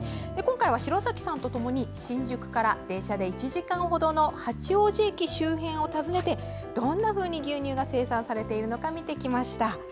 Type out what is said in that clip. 今回は城咲さんとともに新宿から電車で１時間ほどの八王子駅周辺を訪ねてどんなふうに牛乳が生産されているのかを見てきました。